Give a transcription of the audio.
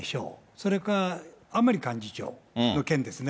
それから甘利幹事長の件ですね。